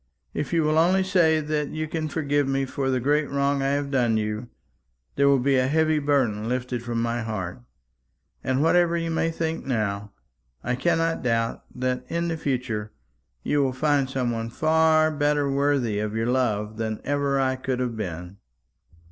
If you will only say that you can forgive me for the great wrong I have done you, there will be a heavy burden lifted from my heart; and whatever you may think now, I cannot doubt that in the future you will find some one far better worthy of your love than ever I could have been."